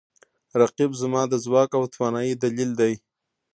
رقیب زما د ځواک او توانایي دلیل دی